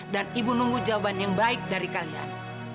dan ibu nunggu jawaban yang baik dari kalian